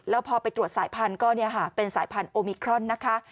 แล้วพอไปตรวจสายพันธุ์ก็เป็นสายพันธุมิครอนนะคะ